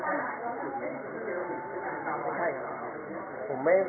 ไม่ใช่